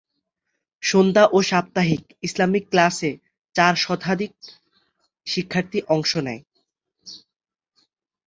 সন্ধ্যা ও সাপ্তাহিক ইসলামিক ক্লাসে চার শতাধিক শিক্ষার্থী অংশ নেয়।